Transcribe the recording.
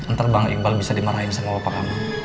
ntar bang iqbal bisa dimarahin sama bapak kamu